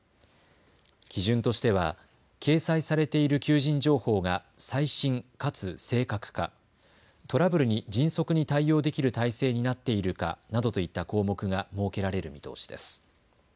基準としては掲載されている求人情報が最新かつ正確か、トラブルに迅速に対応できる体制になっているかなどといった項目が設けられる見通しです。